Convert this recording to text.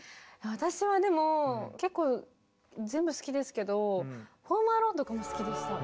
私はでも結構全部好きですけど「ホーム・アローン」とかも好きでした。